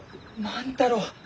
万太郎！